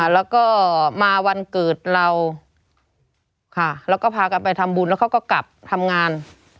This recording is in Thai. แล้วก็มาวันเกิดเราแล้วก็พากันไปทำบุญแล้วเขาก็กลับทำงาน